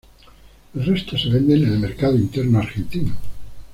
El resto se vende en el mercado interno argentino.